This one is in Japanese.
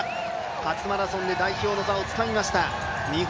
初マラソンで代表の座をつかみました。